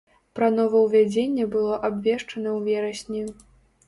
Пра новаўвядзенне было абвешчана ў верасні.